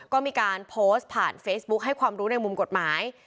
ก็มีการโพสต์ผ่านเฟซบุ๊คให้ความรู้ในมุมกฎหมาย